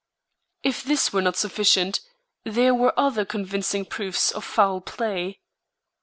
If this were not sufficient, there were other convincing proofs of foul play.